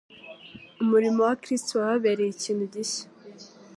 Umurimo wa Kristo wababereye ikintu gishya,